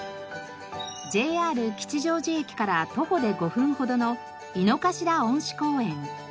ＪＲ吉祥寺駅から徒歩で５分ほどの井の頭恩賜公園。